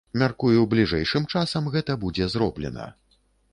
Мяркую, бліжэйшым часам гэта будзе зроблена.